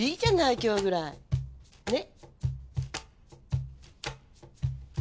今日くらいねっ。